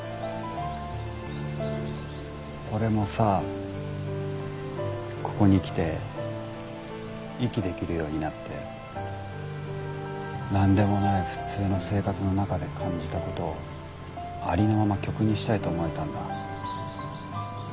俺もさここに来て息できるようになって何でもない普通の生活の中で感じたことありのまま曲にしたいと思えたんだ。